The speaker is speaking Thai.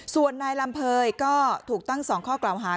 ส่วนนายลำเภยก็ถูกตั้ง๒ข้อกล่าวหา